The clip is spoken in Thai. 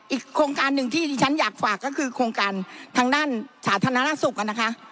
โครงการหนึ่งที่ที่ฉันอยากฝากก็คือโครงการทางด้านสาธารณสุขนะคะ